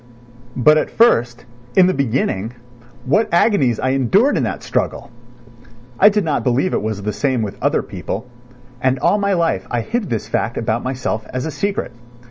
But at first, in the beginning, what agonies I endured in that struggle! I did not believe it was the same with other people, and all my life I hid this fact about myself as a secret.